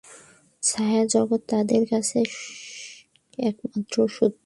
ছায়াজগৎই তাদের কাছে একমাত্র সত্য।